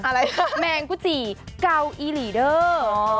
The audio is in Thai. อะไรแมงกุจิเก่าอีหลีเดอร์